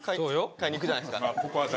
買いに行くじゃないですか。